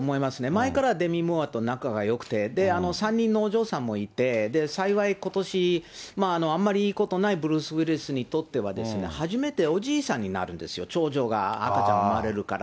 前からデミ・ムーアと仲がよくて、３人のお嬢さんもいて、幸い、ことし、あんまりいいことないブルース・ウィリスにとってはですね、初めておじいさんになるんですよ、長女が赤ちゃん生まれるから。